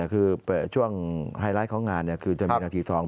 คือช่วงไฮไลท์ของงานคือจะมีนาทีทอง